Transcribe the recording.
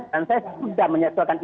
dan saya sudah menyesuaikan